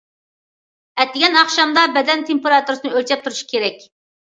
ئەتىگەن- ئاخشامدا بەدەن تېمپېراتۇرىسىنى ئۆلچەپ تۇرۇشى كېرەك.